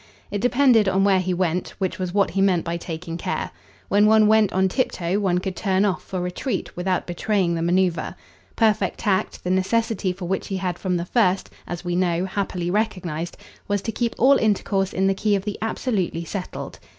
It depended on where he went; which was what he meant by taking care. When one went on tiptoe one could turn off for retreat without betraying the manoeuvre. Perfect tact the necessity for which he had from the first, as we know, happily recognised was to keep all intercourse in the key of the absolutely settled.